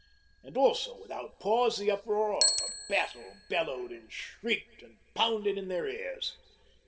And also without pause the uproar of battle bellowed and shrieked and pounded in their ears.